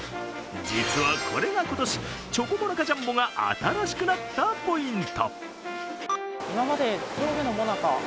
実はこれが今年、チョコモナカジャンボが新しくなったポイント。